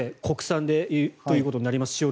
国産でということになります。